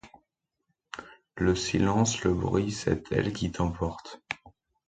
Le silence, le bruit, cette aile qui t’emporte